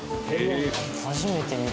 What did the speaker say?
初めて見た。